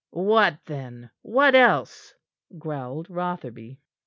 "What then? What else?" growled Rotherby.